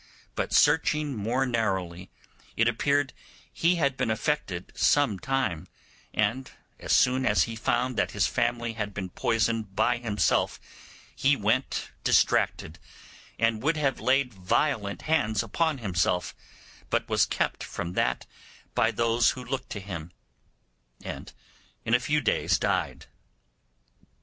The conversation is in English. But searching more narrowly, it appeared he had been affected some time; and as soon as he found that his family had been poisoned by himself he went distracted, and would have laid violent hands upon himself, but was kept from that by those who looked to him, and in a few days died.